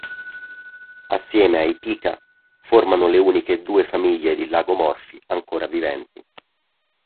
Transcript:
Assieme ai pica, formano le uniche due famiglie di lagomorfi ancora viventi.